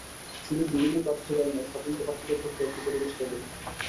শুধু বিরোধী প্রার্থীদেরই নয়, স্বতন্ত্র প্রার্থীদের ক্ষেত্রেও একই পরিবেশ তৈরি হয়।